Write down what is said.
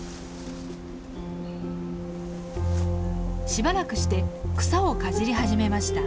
しばらくして草をかじり始めました。